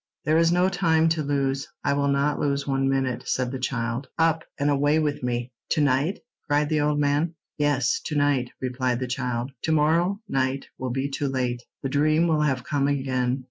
"There is no time to lose; I will not lose one minute," said the child. "Up, and away with me!" "To night?" cried the old man. "Yes, to night," replied the child. "To morrow night will be too late. The dream will have come again.